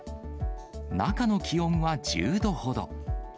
中の気温は１０度ほど。